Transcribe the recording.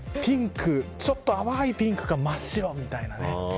ちょっと淡いピンクか真っ白みたいなね。